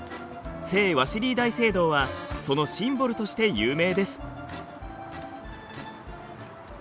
聖ワシリー大聖堂はそのシンボルとして有名です。